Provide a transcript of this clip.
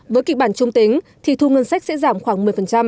với kịch bản trung tính thì thu ngân sách sẽ giảm khoảng một mươi